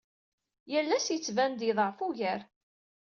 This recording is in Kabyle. Yal ass yettban-d yeḍɛef ugar.